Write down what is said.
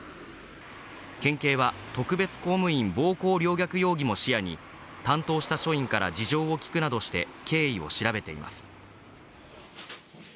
県警は特別公務員暴行陵虐容疑も視野に、担当した署員から事情を聴くなどして、経緯を調べています。